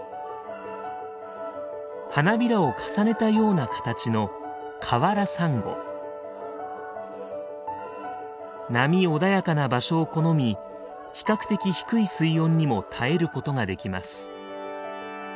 花びらを重ねたような形の波穏やかな場所を好み比較的低い水温にも耐えることができます。